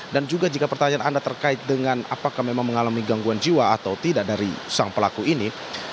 dan juga jika pertanyaan anda terkait dengan apakah memang mengalami gangguan jiwa atau tidak dari sang pelaku ini